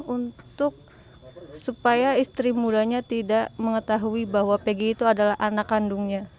untuk supaya istri mudanya tidak mengetahui bahwa pegi itu adalah anak kandungnya